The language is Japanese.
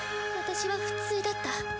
私は普通だった。